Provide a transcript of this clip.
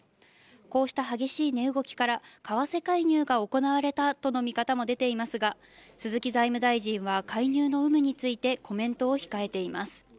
こうした激しい値動きから、為替介入が行われたとの見方も出ていますが、鈴木財務大臣は、介入の有無について、コメントを控えています。